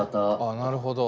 あなるほど。